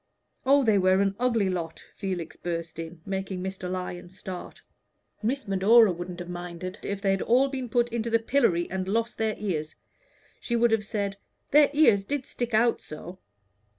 "Oh, they were an ugly lot!" Felix burst in, making Mr. Lyon start. "Miss Medora wouldn't have minded if they had all been put into the pillory and lost their ears. She would have said, 'Their ears did stick out so.'